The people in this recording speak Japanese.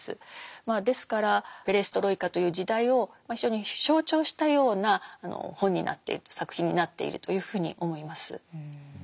ですからペレストロイカという時代を非常に象徴したような本になっていると作品になっているというふうに思います。